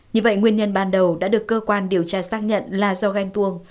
như vậy nguyên nhân ban đầu đã được cơ quan điều tra xác nhận là do ghen tuông